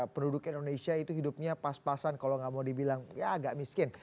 penduduk indonesia itu hidupnya pas pasan kalau nggak mau dibilang ya agak miskin